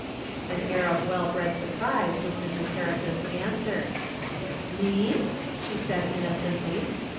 " An air of well bred surprise was Mrs. Harri son's answer. "Mean?" she said, innocently.